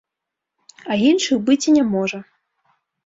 А іншых быць і не можа.